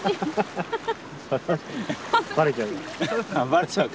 バレちゃう。